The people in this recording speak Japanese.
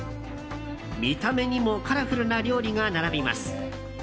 見た目にもカラフルな料理が並びます。